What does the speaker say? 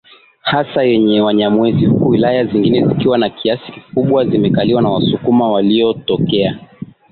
hasa yenye Wanyamwezi huku wilaya zingine zikiwa kwa kiasi kikubwa zimekaliwa na wasukuma waliotokea